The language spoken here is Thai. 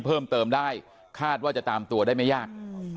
เพิ่มเติมได้คาดว่าจะตามตัวได้ไม่ยาก